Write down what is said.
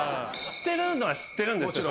知ってるのは知ってるんですよ。